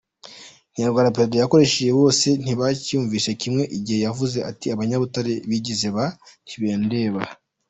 Ikinyarwanda Perezida yakoresheje bose ntibacyumvise kimwe, igihe yavuze ati abanyabutare bigize ba «ntibindeba».